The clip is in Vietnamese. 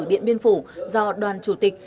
điện biên phủ do đoàn chủ tịch